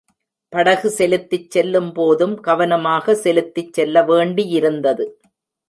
படகு செலுத்திச் செல்லும்போதும் கவனமாக செலுத்திச் செல்லவேண்டியிருந்தது.